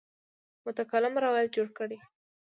متکلم روایت جوړ کړی.